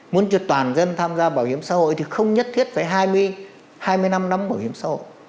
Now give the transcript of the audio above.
muốn cho toàn dân tham gia bảo hiểm xã hội thì không nhất thiết phải hai mươi hai mươi năm năm bảo hiểm xã hội